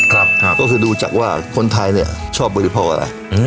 ก็คือดูจากว่าคนไทยชอบบริภาพอะไร